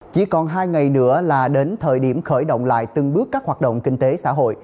chỉ còn hai ngày nữa là đến thời điểm khởi động lại từng bước các hoạt động kinh tế xã hội